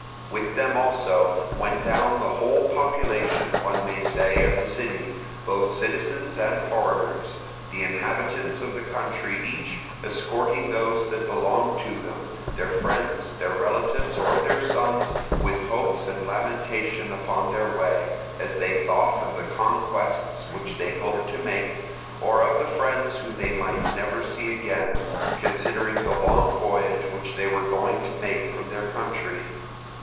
With them also went down the whole population, one may say, of the city, both citizens and foreigners; the inhabitants of the country each escorting those that belonged to them, their friends, their relatives, or their sons, with hope and lamentation upon their way, as they thought of the conquests which they hoped to make, or of the friends whom they might never see again, considering the long voyage which they were going to make from their country.